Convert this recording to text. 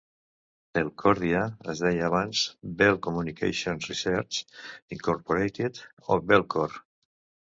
Telcordia es deia abans Bell Communications Research, Incorporated, o Bellcore.